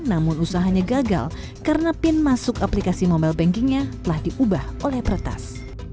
namun usahanya gagal karena pin masuk aplikasi mobile bankingnya telah diubah oleh peretas